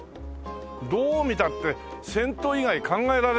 どう見たって銭湯以外考えられないね。